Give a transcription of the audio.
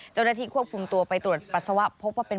เจ้าหน้าที่ควบคุมตัวไปตรวจปัสสาวะพบว่าเป็น